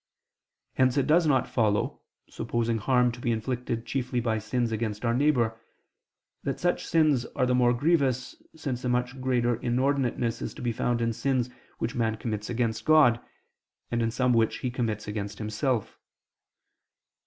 Hence it does not follow, supposing harm to be inflicted chiefly by sins against our neighbor, that such sins are the most grievous, since a much greater inordinateness is to be found in sins which man commits against God, and in some which he commits against himself.